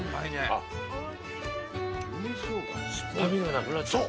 あっ、酸っぱみが、なくなっちゃう。